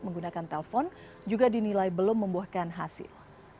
menggunakan telpon juga dinilai belum membuahkan hasil